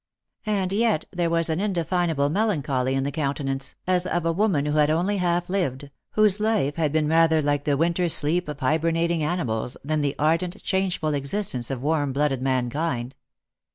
And yet there was an inde finable melancholy in the countenance, as of a woman who had only half lived, whose life had been rather like the winter sleep of hibernating animals than the ardent changeful existence of warm blooded mankind.